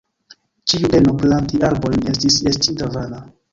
Ĉiu peno planti arbojn, estis estinta vana.